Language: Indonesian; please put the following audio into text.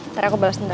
ntar aku bales ntar